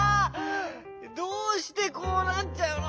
どうしてこうなっちゃうの？